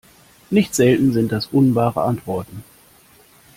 Nicht selten sind das unwahre Antworten.